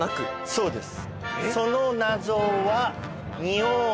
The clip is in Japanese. そうです。